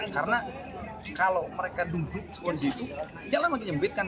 karena kalau mereka duduk di situ jalan makin nyembit kan